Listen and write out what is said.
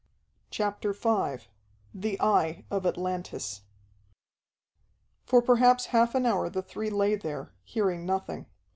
CHAPTER V The Eye of Atlantis For perhaps half an hour the three lay there, hearing nothing.